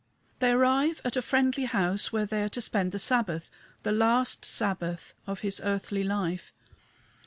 They arrive at a friendly house where they are to spend the Sabbath, the last Sabbath of his earthly life.